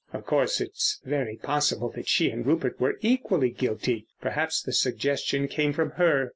Of course, it's very possible that she and Rupert were equally guilty. Perhaps the suggestion came from her....